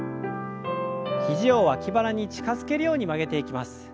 肘を脇腹に近づけるように曲げていきます。